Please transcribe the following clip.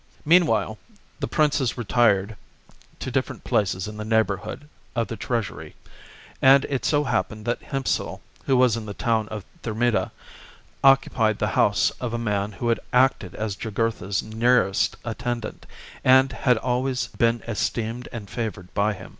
Meanwhile the princes retired to different places in the neighbourhood of the treasury, and it so happened that Hiempsal, who was in the town of Thermida, occupied the house of a man who had acted as Jugurtha's nearest attend ant, and had always been esteemed and favoured by him.